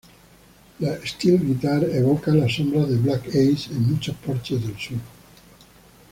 La "steel guitar" evoca las sombras de Black Ace en muchos porches del Sur.